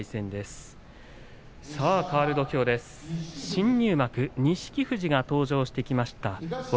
新入幕の錦富士が登場してきました。